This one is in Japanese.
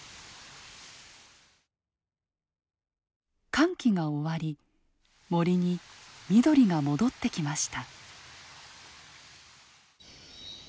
乾季が終わり森に緑が戻ってきました。